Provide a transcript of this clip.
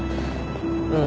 うん。